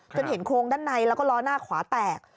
เห็นโครงด้านในแล้วก็ล้อหน้าขวาแตก